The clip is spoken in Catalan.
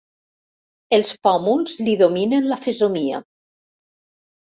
Els pòmuls li dominen la fesomia.